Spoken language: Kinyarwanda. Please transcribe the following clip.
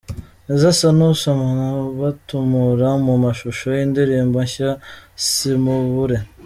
Nizo asa n’usomana batumura mu mashusho y’indirimbo nshya “Simubure”